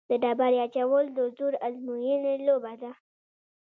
د ډبرې اچول د زور ازموینې لوبه ده.